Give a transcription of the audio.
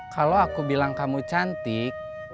kalau aku bilang kamu cantik